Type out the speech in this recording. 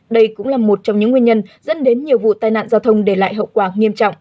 đây cũng là một trong những nguyên nhân dẫn đến nhiều vụ tai nạn giao thông để lại hậu quả nghiêm trọng